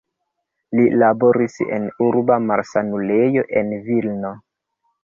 Li laboris en urba malsanulejo en Vilno.